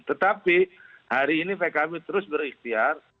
tetapi hari ini pkb terus berikhtiar